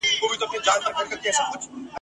په خپل زړه یې د دانې پر لور ګزر سو ..